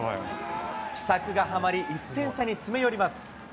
奇策がはまり、１点差に詰め寄ります。